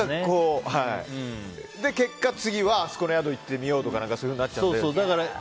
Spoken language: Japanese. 結果、次はあそこの宿行ってみようとかそういうふうになっちゃうので。